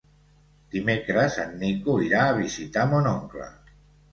Dimecres en Nico irà a visitar mon oncle.